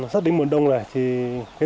sắp đến mùa đông rồi